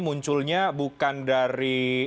munculnya bukan dari